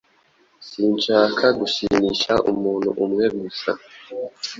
Sinshaka gushimisha umuntu umwe gusa.